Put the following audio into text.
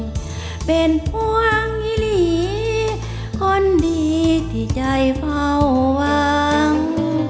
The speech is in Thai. เป็นห่วงเหลือคนดีที่ใจเผาวาง